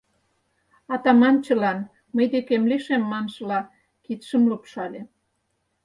Атаманычлан, «мый декем лишем» маншыла, кидшым лупшале.